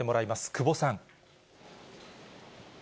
久保さん。